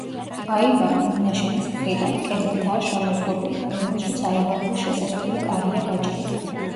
აივანი, მინაშენის მხრიდან, კედლითაა შემოზღუდული, რომელშიც აივანზე შესასვლელი კარია გაჭრილი.